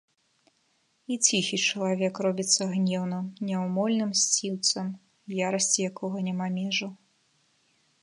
І ціхі чалавек робіцца гнеўным, няўмольным мсціўцам, ярасці якога няма межаў.